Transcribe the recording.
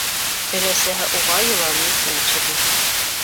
Өләсәһе уға йоланы иҫенә төшөрҙө: